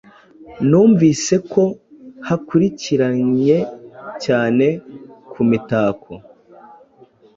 Numvise ko hakurikiranye cyane kumitako